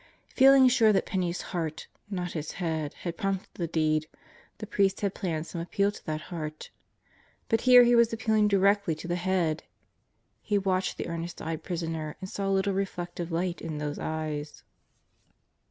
Feeling sure that Penney's heart, not his head, had prompted the deed, the priest had planned some appeal to that heart. But here he was appeal ing directly to the head! He watched the earnest eyed prisoner and saw little reflective light in those eyes.